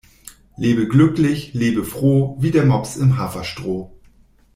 Lebe glücklich, lebe froh, wie der Mops im Haferstroh.